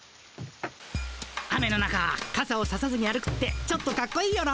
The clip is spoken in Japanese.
雨の中かさをささずに歩くってちょっとかっこいいよな。